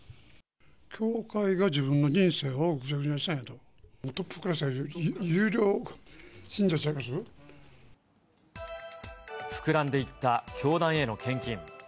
教会が自分の人生をぐちゃぐちゃにしたんやと、トップクラス、膨らんでいった教団への献金。